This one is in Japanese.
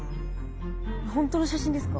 本当の写真ですか？